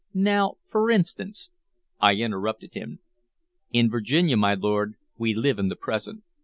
Now, for instance" I interrupted him. "In Virginia, my lord, we live in the present.